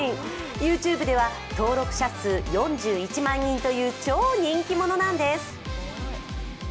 ＹｏｕＴｕｂｅでは登録者数４１万人という超人気者なんです。